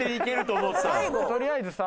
とりあえずさ。